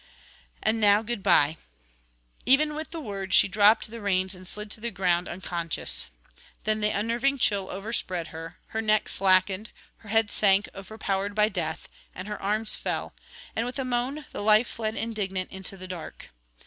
And now goodbye.' Even with the words she dropped the reins and slid to ground unconscious. Then the unnerving chill overspread her, her neck slackened, her head sank overpowered by death, and her arms fell, and with a moan the life fled indignant into the dark.